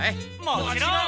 もちろん！